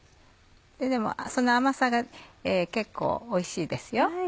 でもその甘さが結構おいしいですよ。